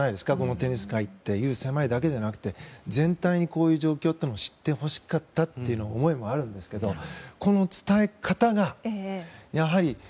テニス界という狭い中だけじゃなくて全体にこういう状況を知ってほしかったという思いもあるんですけど伝え方が、やはり。